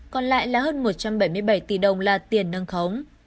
còn lại là hơn một trăm bảy mươi bảy tỷ đồng là tiền nâng khống